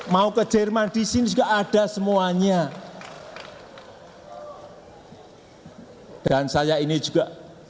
mau ke jerman di sini juga ada semuanya